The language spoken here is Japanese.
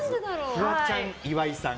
フワちゃん、岩井さん。